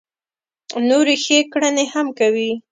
نورې ښې کړنې هم کوي.